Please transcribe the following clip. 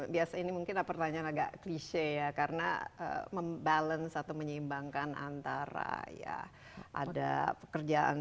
biasa ini mungkin pertanyaan agak klise ya karena membalance atau menyeimbangkan antara ya ada pekerjaan